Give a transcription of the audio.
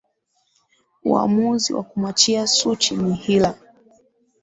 uamuzi wa kumwachia suchi ni hila